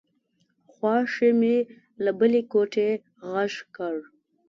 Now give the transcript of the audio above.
خواښې مې له بلې کوټې غږ کړ.